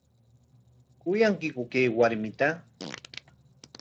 ¿Kuyankiku chay warmita?